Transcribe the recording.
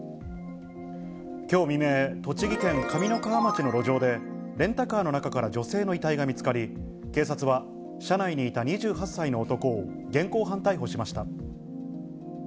きょう未明、栃木県上三川町の路上で、レンタカーの中から女性の遺体が見つかり、警察は、車内にいた２８歳の男を現行犯逮捕しました。